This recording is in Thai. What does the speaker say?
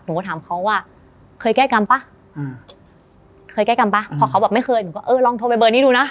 หนูก็ถามเขาว่าเคยแก้กรรมป่ะอ่าเคยแก้กรรมป่ะพอเขาแบบไม่เคยหนูก็เออลองโทรไปเบอร์นี้ดูนะ